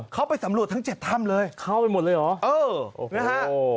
เขาไปสำรวจทั้ง๗ถ้ำเลยเข้าไปหมดเลยเหรอเออนะฮะ